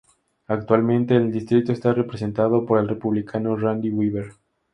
Actualmente el distrito está representado por el Republicano Randy Weber.